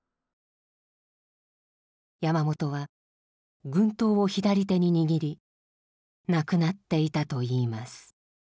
山本は軍刀を左手に握り亡くなっていたといいます。